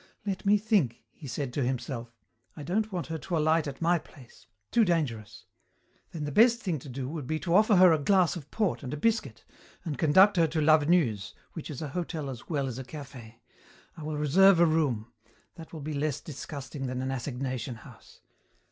"Let me think," he said to himself. "I don't want her to alight at my place. Too dangerous. Then the best thing to do would be to offer her a glass of port and a biscuit and conduct her to Lavenue's, which is a hotel as well as a café. I will reserve a room. That will be less disgusting than an assignation house.